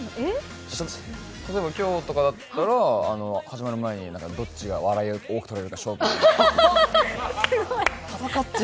例えば今日とかだったら始まる前にどっちが笑い、多くとれるか勝負だとかって。